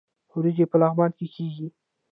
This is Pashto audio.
وریجې په لغمان کې کیږي